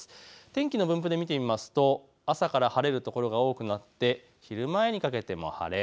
天気の分布で見てみますと朝から晴れる所が多くなって昼前にかけても晴れ。